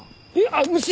あっ虫！